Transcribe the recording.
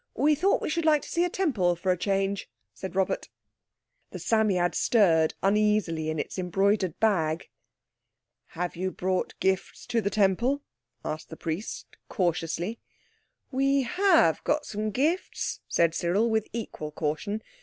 We thought we should like to see a Temple, for a change," said Robert. The Psammead stirred uneasily in its embroidered bag. "Have you brought gifts to the Temple?" asked the priest cautiously. "We have got some gifts," said Cyril with equal caution.